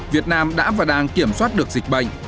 việt nam đã và đang kiểm soát được dịch bệnh